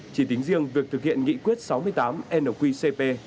chỉ tính riêng việc thực hiện nghị quyết sáu mươi tám nqcp